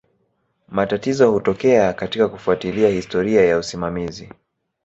Matatizo hutokea katika kufuatilia historia ya usimamizi.